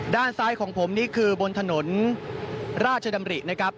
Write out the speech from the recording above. ด้านซ้ายของผมนี่คือบนถนนราชดำรินะครับ